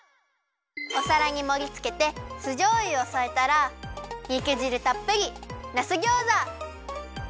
おさらにもりつけて酢じょうゆをそえたらにくじるたっぷりなすギョーザ！